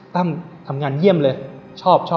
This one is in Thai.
ตั้งทำงานเยี่ยมเลย